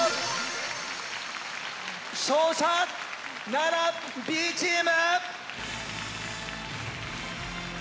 勝者奈良Ｂチーム！